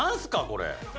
これ。